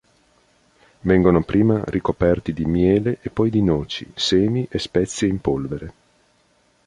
Vengono prima ricoperti di miele e poi di noci, semi e spezie in polvere.